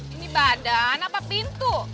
ini badan apa pintu